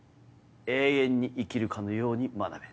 永遠に生きるかのように学べ。